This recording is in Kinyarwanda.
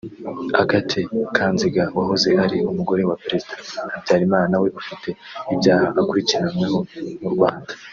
Agathe Kanziga wahoze ari umugore wa Perezida Habyarimana nawe ufite ibyaha akurikiranyweho mu Rwanda